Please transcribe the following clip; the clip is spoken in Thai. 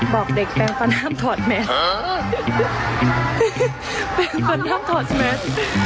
บอกเด็กแปลงฟันห้ามถอดแมสเป็นคนห้ามถอดแมท